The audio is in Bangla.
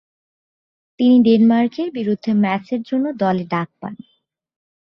তিনি ডেনমার্কের বিরুদ্ধে ম্যাচের জন্য দলে ডাক পান।